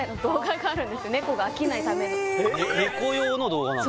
猫用の動画なの？